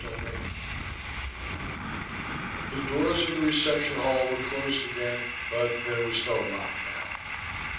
XIX The doors of the reception hall were closed again, but there was no lock now.